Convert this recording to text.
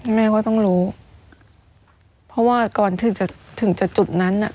แม่ก็ต้องรู้เพราะว่าก่อนถึงจะถึงจะจุดนั้นน่ะ